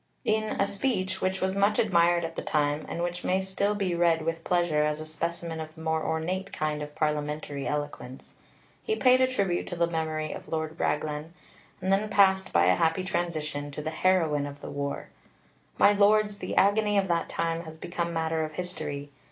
In a speech, which was much admired at the time, and which may still be read with pleasure as a specimen of the more ornate kind of parliamentary eloquence, he paid a tribute to the memory of Lord Raglan, and then passed by a happy transition to the heroine of the war: "My Lords, the agony of that time has become matter of history.